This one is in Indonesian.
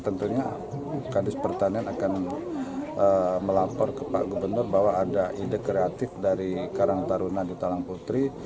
tentunya kadis pertanian akan melapor ke pak gubernur bahwa ada ide kreatif dari karang taruna di talang putri